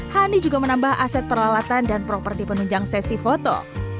hani juga menambah aset peralatan dan properti penunjang sesi foto